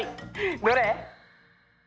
どれ？